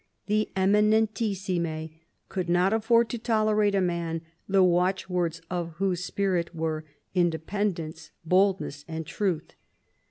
The Eminentissime could not afford to tolerate a man the watchwords of whose spirit were independence, boldness, and truth.